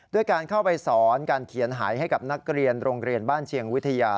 ด้วยการเข้าไปสอนการเขียนหายให้กับนักเรียนโรงเรียนบ้านเชียงวิทยา